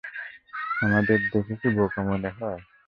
আমাদের দেখে কি বোকা মনে হয়?